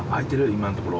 今のところ。